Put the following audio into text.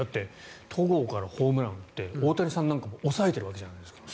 戸郷からホームランを打って大谷さんを抑えているわけじゃないですか。